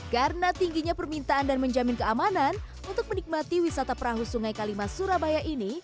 karena tingginya permintaan dan menjamin keamanan untuk menikmati wisata perahu sungai kalimah surabaya ini